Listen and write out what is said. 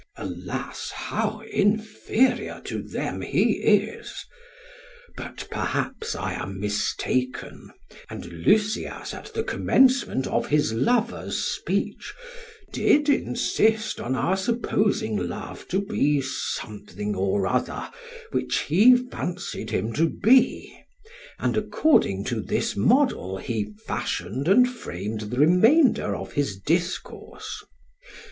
Alas! how inferior to them he is! But perhaps I am mistaken; and Lysias at the commencement of his lover's speech did insist on our supposing love to be something or other which he fancied him to be, and according to this model he fashioned and framed the remainder of his discourse.